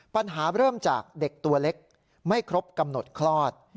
ปัญหาเริ่มจากเด็กตัวเล็กไม่ครบกำหนดคลอด